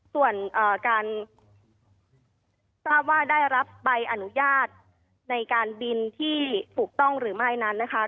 ส่วนการทราบว่าได้รับใบอนุญาตในการบินที่ถูกต้องหรือไม่นั้นนะคะ